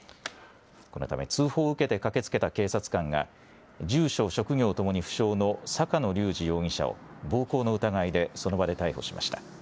このため通報を受けて駆けつけた警察官が住所、職業ともに不詳の坂野隆治容疑者を暴行の疑いでその場で逮捕しました。